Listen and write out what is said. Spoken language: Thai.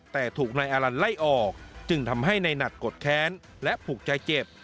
แต่ถูกแน่อลันไล่ออกจึงทำให้ในหนัดกดแค้นและผูกใจเจ็บ